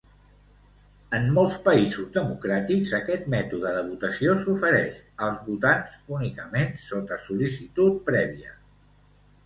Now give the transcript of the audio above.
En molts països democràtics, aquest mètode de votació s'ofereix als votants únicament sota sol·licitud prèvia.